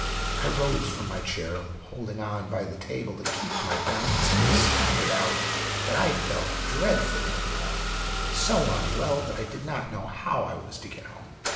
I rose from my chair, holding on by the table to keep my balance; and stammered out that I felt dreadfully unwell so unwell that I did not know how I was to get home.